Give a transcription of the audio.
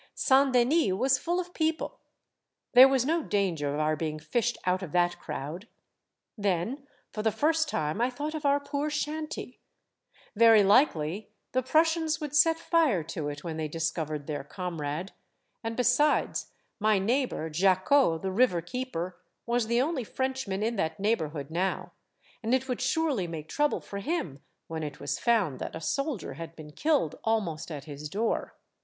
Saint Denis was full of people. There was no danger of our being fished out of that crowd. Then for the first time I thought of our poor shanty. Very likely the Prussians would set fire to it when they discovered their comrade ; and besides, my neighbor Jacquot, the river keeper, was the only Frenchman in that neighborhood how, and it would surely make trouble for him when it was found that a soldier had been killed almost at his door.